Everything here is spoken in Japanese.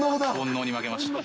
煩悩に負けました。